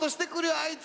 あいつ。